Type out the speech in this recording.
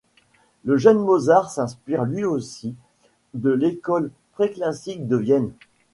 Le jeune Mozart s'inspire lui aussi de l'école préclassique de Vienne.